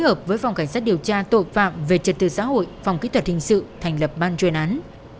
hợp với phòng cảnh sát điều tra tội phạm về trật tự xã hội phòng kỹ thuật hình sự thành lập ban chuyên án